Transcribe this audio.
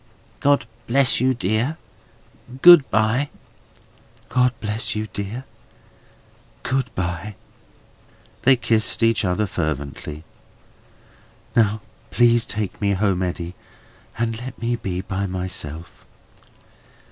"God bless you, dear! Good bye!" "God bless you, dear! Good bye!" They kissed each other fervently. "Now, please take me home, Eddy, and let me be by myself."